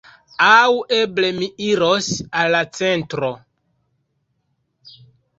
Aŭ eble mi iros al la centro.